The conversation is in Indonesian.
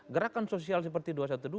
gerakan sosial seperti dua ratus dua belas